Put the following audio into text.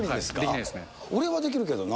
俺はできるけどな。